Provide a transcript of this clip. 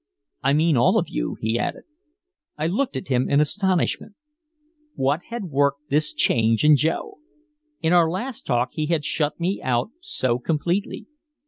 "I mean all of you," he added. I looked at him in astonishment. What had worked this change in Joe? In our last talk he had shut me out so completely.